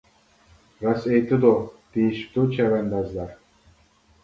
راست ئېيتىدۇ، دېيىشىپتۇ چەۋەندازلار.